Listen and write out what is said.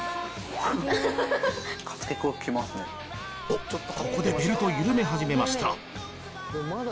おっここでベルトを緩め始めました！